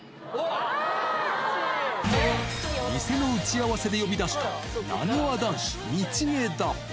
偽の打ち合わせで呼び出したなにわ男子・道枝。